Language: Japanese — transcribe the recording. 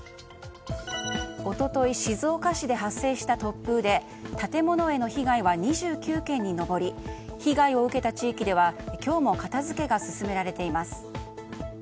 一昨日、静岡市で発生した突風で建物への被害は２９件に上り被害を受けた地域では今日も片づけが進められています。